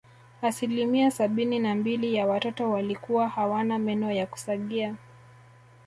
Asilimia sabini na mbili ya watoto walikuwa hawana meno ya kusagia